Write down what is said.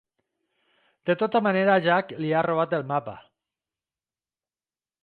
De tota manera, Jack li ha robat el mapa.